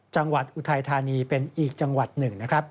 อุทัยธานีเป็นอีกจังหวัดหนึ่งนะครับ